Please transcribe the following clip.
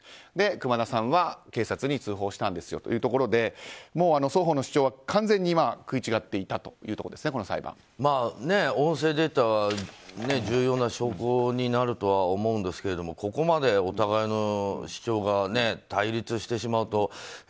熊田さんは警察に通報したんですよというところでもう双方の主張は完全に食い違っていたまあ、音声データは重要な証拠になるとは思うんですけどここまでお互いの主張が対立してしまうと。